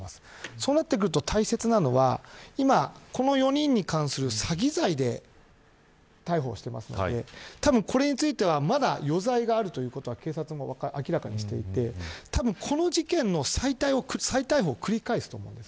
そうなってくると大切なのは今、この４人に関する詐欺罪で逮捕しているのでこれについてはまだ余罪があるということは警察も明らかにしていてこの事件の再逮捕を繰り返すと思うんです。